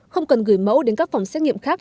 không cần gửi mẫu đến các phòng xét nghiệm khác